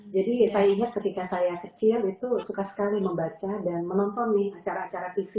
jadi saya ingat ketika saya kecil itu suka sekali membaca dan menonton nih acara acara tv